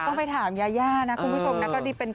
ก็ไปถามยานะคุณผู้ชมนี่